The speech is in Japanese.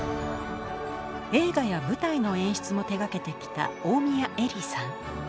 映画や舞台の演出も手がけてきた大宮エリーさん。